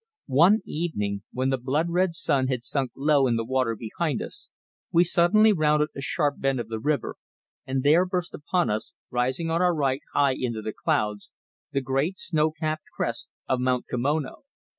One evening when the blood red sun had sunk low in the water behind us, we suddenly rounded a sharp bend of the river and there burst upon us, rising on our right high into the clouds, the great snow capped crest of Mount Komono.